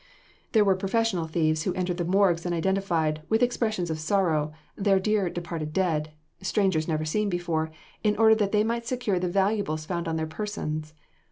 ] There were professional thieves who entered the morgues and identified, with expressions of sorrow, their dear departed dead, strangers never seen before, in order that they might secure the valuables found on their persons.